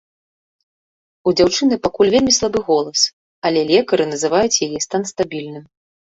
У дзяўчыны пакуль вельмі слабы голас, але лекары называюць яе стан стабільным.